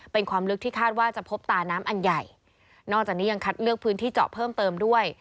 เป็นความลึกที่คาดว่าจะพบตาน้ำอันใหญ่นอกจากนี้ยังคัดเลือกพื้นที่เจาะเพิ่มเติมด้วย